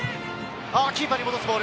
キーパーに戻すボール。